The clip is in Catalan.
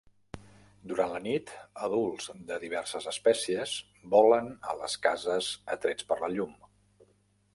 Durant la nit, adults de diverses espècies volen a les cases atrets per la llum.